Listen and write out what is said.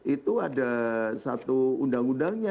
itu ada satu undang undangnya